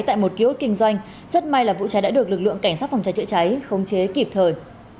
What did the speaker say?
tại một ký ốt kinh doanh rất may là vụ cháy đã được lực lượng cảnh sát phòng cháy chữa cháy khống chế kịp thời